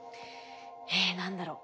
えっ何だろう？